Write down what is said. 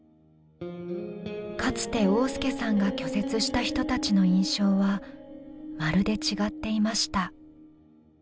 かつて旺亮さんが拒絶した人たちの印象はまるで違っていました。